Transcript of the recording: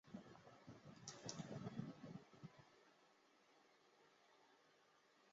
托旺达镇区为位在美国堪萨斯州巴特勒县的镇区。